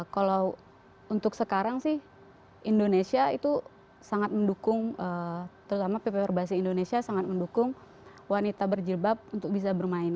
kalau untuk sekarang sih indonesia itu sangat mendukung terutama pp perbasi indonesia sangat mendukung wanita berjilbab untuk bisa bermain